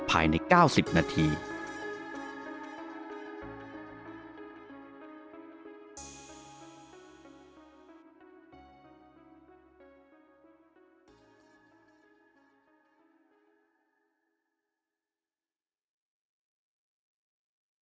โปรดติดตามตอนต่อไป